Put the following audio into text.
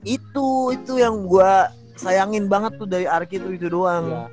itu itu yang gue sayangin banget tuh dari arki itu doang